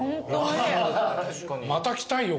また来たいよ